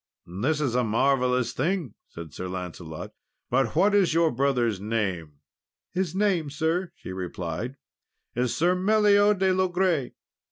"This is a marvellous thing!" said Sir Lancelot; "but what is your brother's name?" "His name, sir," she replied, "is Sir Meliot de Logres."